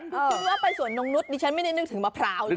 คุณคิดว่าไปสวนนงนุษย์ดิฉันไม่ได้นึกถึงมะพร้าวเลย